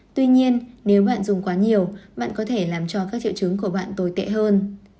tuy nhiên nếu bạn dùng quá nhiều bạn có thể làm cho các triệu chứng của bạn tồi tệ hơn